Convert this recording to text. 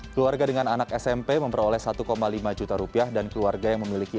keluarga dengan anak smp memperoleh satu lima juta rupiah dan keluarga yang memiliki